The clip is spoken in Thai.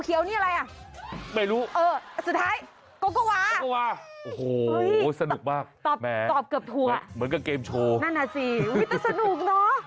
เออสุดท้ายก๊อกก๊อกวาโอ้โหสนุกมากแม้มันก็เกมโชว์นั่นแหละสิแต่สนุกเนาะ